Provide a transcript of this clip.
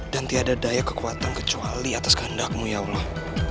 dan tiada daya kekuatan kecuali atas kehendakmu ya allah